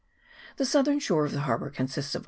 The southern shore of the harbour consists of CHAP.